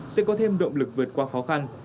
sẽ có thêm động lực vượt qua khó khăn